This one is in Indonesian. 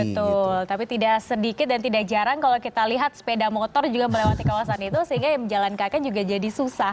betul tapi tidak sedikit dan tidak jarang kalau kita lihat sepeda motor juga melewati kawasan itu sehingga yang jalan kaki juga jadi susah